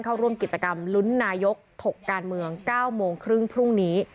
เข้าร่วมกิจกรรมลุ้นนายกถกการเมือง๙โมงครึ่งพรุ่งนี้